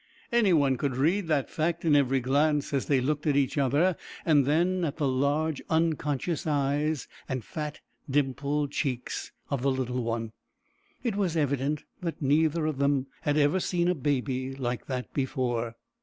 Any one could read that fact in every glance, as they looked at each other, and then at the large, unconscious eyes, and fat, dimpled cheeks of the little one. It was evident that neither of them had ever seen a baby like that before.